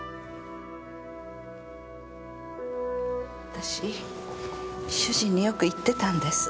私主人によく言ってたんです。